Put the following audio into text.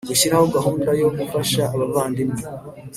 gushyiraho gahunda yo gufasha abavandimwe